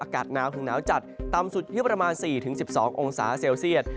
อากาศหนาวถึงหนาวจัดต่ำสุดอยู่ที่ประมาณ๔๑๒องศาเซลเซียต